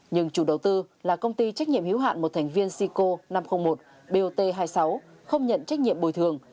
nhưng chủ đầu tư là công ty trách nhiệm hiếu hạn một thành viên sico năm trăm linh một bot hai mươi sáu không nhận trách nhiệm bồi thường